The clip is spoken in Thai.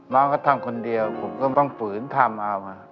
น้องก็ทำคนเดียวผมก็ต้องฝืนทำเอามา